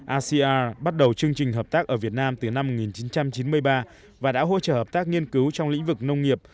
asean bắt đầu chương trình hợp tác ở việt nam từ năm một nghìn chín trăm chín mươi ba và đã hỗ trợ hợp tác nghiên cứu trong lĩnh vực nông nghiệp